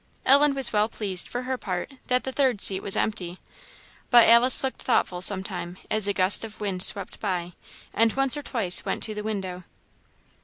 Ellen was well pleased, for her part, that the third seat was empty. But Alice looked thoughtful sometime as a gust of wind swept by, and once or twice went to the window.